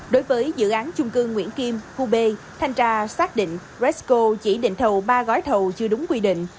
đối với dự án chung cương nguyễn kim khu b thanh tra xác định resco chỉ định thầu ba gói thầu chưa đúng quy định